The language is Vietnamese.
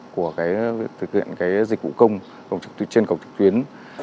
của thực hiện dịch vụ công trên cổng trực tuyến